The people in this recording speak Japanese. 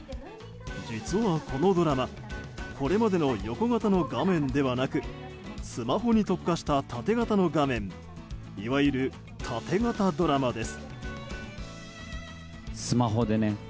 実は、このドラマこれまでの横型の画面ではなくスマホに特化した縦型の画面いわゆる縦型ドラマです。